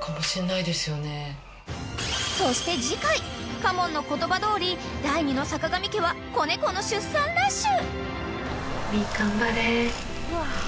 ［そして次回嘉門の言葉どおり第２のさかがみ家は子猫の出産ラッシュ］